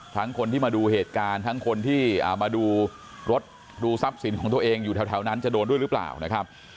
คนที่มาดูเหตุการณ์ทั้งคนที่มาดูรถดูทรัพย์สินของตัวเองอยู่แถวนั้นจะโดนด้วยหรือเปล่านะครับ